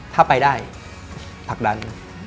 ถ้าไปได้ผลักดัน